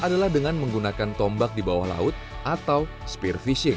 adalah dengan menggunakan tombak di bawah laut atau spear fishing